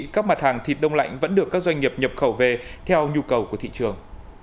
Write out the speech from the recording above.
các mặt hàng thịt đông lạnh vẫn được các doanh nghiệp nhập khẩu về theo nhu cầu của thị trường